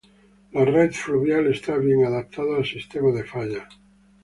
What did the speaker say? La red fluvial está bien adaptada al sistema de fallas.